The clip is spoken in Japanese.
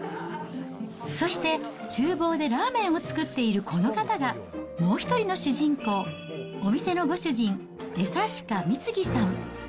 そしてちゅう房でラーメンを作っているこの方が、もう一人の主人公、お店のご主人、江刺家美次さん。